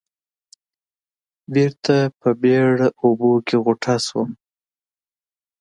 بېرته په بېړه اوبو کې غوټه شوم.